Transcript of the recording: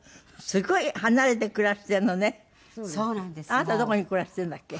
あなたどこに暮らしてるんだっけ？